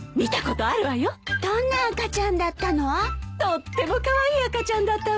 とってもカワイイ赤ちゃんだったわ。